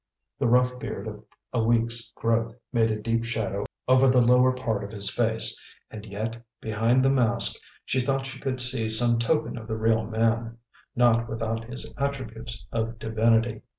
The rough beard of a week's growth made a deep shadow over the lower part of his face; and yet, behind the mask, she thought she could see some token of the real man, not without his attributes of divinity.